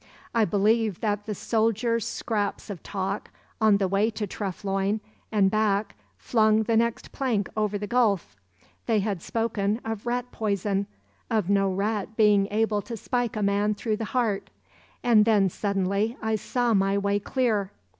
I believe that the soldiers' scraps of talk on the way to Treff Loyne and back flung the next plank over the gulf. They had spoken of 'rat poison,' of no rat being able to spike a man through the heart; and then, suddenly, I saw my way clear.